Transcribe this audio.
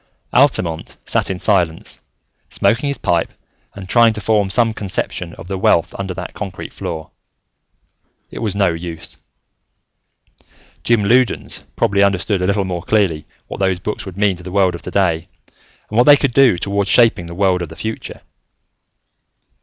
Altamont sat in silence, smoking his pipe and trying to form some conception of the wealth under that concrete floor. It was no use. Jim Loudons probably understood a little more clearly what those books would mean to the world of today, and what they could do toward shaping the world of the future.